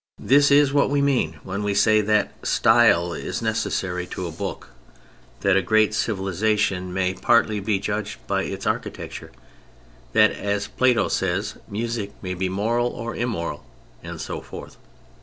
This THE CHARACTERS 55 is what we mean when we say that style is necessary to a book ; that a great civilisation may partly be judged by its architecture; that, as Plato says, music may be moral or immoral, and so forth.